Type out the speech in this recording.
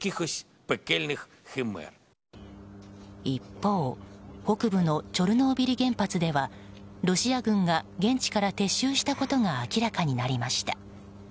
一方、北部のチョルノービリ原発ではロシア軍が現地から撤収したことが明らかになりました。